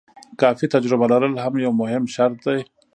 کافي تجربه لرل هم یو مهم شرط دی.